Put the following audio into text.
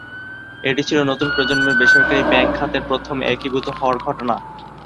এটি ছিল নতুন প্রজন্মের বেসরকারী ব্যাংক খাতের প্রথম একীভূত হওয়ার ঘটনা।